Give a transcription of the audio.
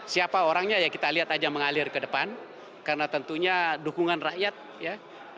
siapa orangnya ya kita lihat aja mengalir ke depan karena tentunya dukungan rakyat ya